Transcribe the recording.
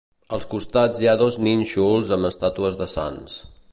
Als costats hi ha dos nínxols amb estàtues de sants.